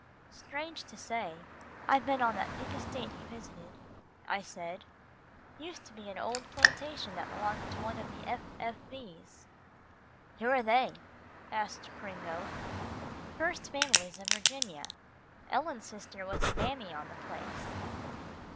"Strange to say, I've been on that big estate he visited," I said, "used to be an old plantation that belonged to one of the F. F. V.'s." "Who are they?" asked Gringo. "First Families of Virginia Ellen's sister was a mammy on the place."